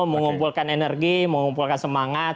mengumpulkan energi mengumpulkan semangat